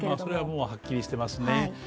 それは、はっきりしてますね